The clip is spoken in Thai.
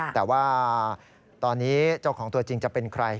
แต่ว่าตอนนี้เจ้าของตัวจริงจะเป็นใคร